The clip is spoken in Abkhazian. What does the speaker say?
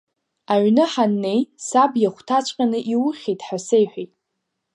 Аҩны ҳаннеи саб иахәҭаҵәҟьаны иухьит ҳәа сеиҳәеит.